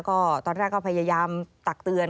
ก็ตอนแรกก็พยายามตักเตือน